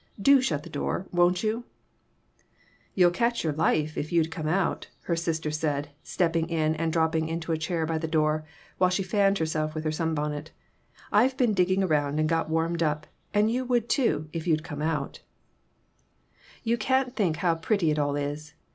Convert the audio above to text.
Do shut the door, won't you ?"" You'd catch your life if you'd come out," her sister said, stepping in and dropping into a chair by the door, while she fanned herself with her sunbonnet ;" I've been digging around and got warmed up, and you would, too, if you'd come out. 58 PERTURBATIONS. You can't think how pretty it all is.